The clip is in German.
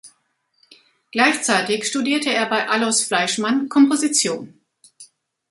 Gleichzeitig studierte er bei Aloys Fleischmann Komposition.